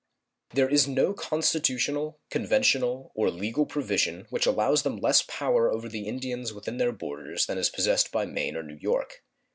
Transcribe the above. There is no constitutional, conventional, or legal provision which allows them less power over the Indians within their borders than is possessed by Maine or New York.